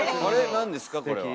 なんですかこれは。